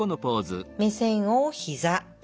目線をひざ。